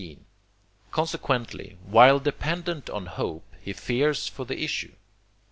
consequently, while dependent on hope, he fears for the issue.